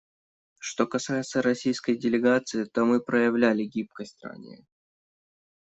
Что касается российской делегации, то мы проявляли гибкость ранее.